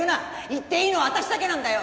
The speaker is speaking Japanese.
言っていいのは私だけなんだよ。